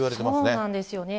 そうなんですよね。